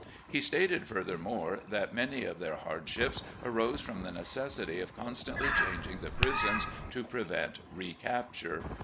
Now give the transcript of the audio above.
He stated, furthermore, that many of their hardships arose from the necessity of constantly changing the prisons to prevent recapture.